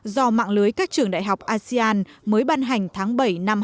do mạng lưới các trường đại học asean mới ban hành tháng bảy năm hai nghìn một mươi sáu